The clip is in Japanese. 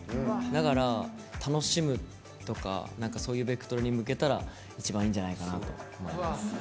だから、楽しむとかそういうベクトルに向けたら一番いいんじゃないかなと思います。